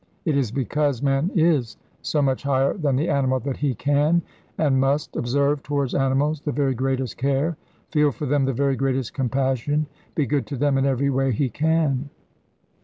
It is because man is so much higher than the animal that he can and must observe towards animals the very greatest care, feel for them the very greatest compassion, be good to them in every way he can.